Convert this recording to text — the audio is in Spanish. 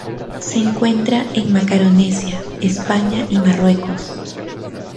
Se encuentra en Macaronesia, España y Marruecos.